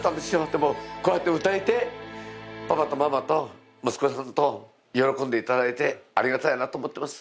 でも、こうやって歌えて、パパとママと息子さんと喜んでいただいてありがたいなと思ってます。